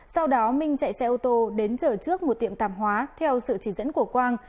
sau đó minh chạy xe ô tô đến chở trước một tiệm tạp hóa theo sự chỉ dẫn của quang